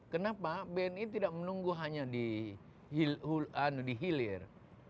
kenapa bni tidak menunggu hanya dihilir